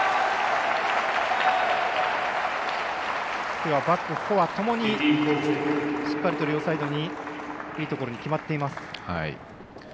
きょうはバック、フォアともにしっかりと両サイドにいいところに決まっています。